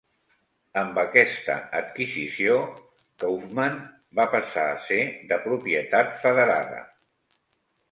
Amb aquesta adquisició, Kaufmann va passar a ser de propietat federada.